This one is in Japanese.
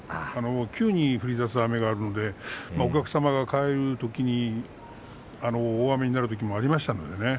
急に降りだす雨があるんでお客様が帰るときに大雨になることもありましたからね。